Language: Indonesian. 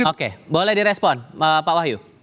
oke boleh direspon pak wahyu